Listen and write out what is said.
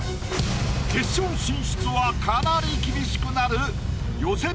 決勝進出はかなり厳しくなる予選